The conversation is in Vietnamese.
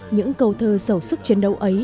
những câu thơ giàu sức chiến đấu ấy